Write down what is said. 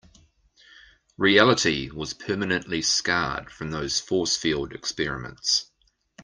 Reality was permanently scarred from those force field experiments.